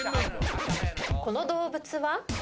この動物は？